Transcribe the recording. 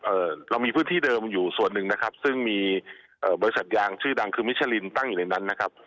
เอ่อเรามีพื้นที่เดิมอยู่ส่วนหนึ่งนะครับซึ่งมีเอ่อบริษัทยางชื่อดังคือมิชลินตั้งอยู่ในนั้นนะครับ